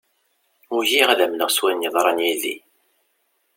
Ugiɣ ad amneɣ s wayen yeḍran yid-i.